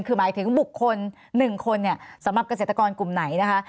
คือหมายถึงบุคคล๑คนสำหรับเกษตรกรกลุ่มไหนนะคะ